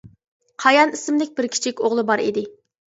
قايان ئىسىملىك بىر كىچىك ئوغلى بار ئىدى.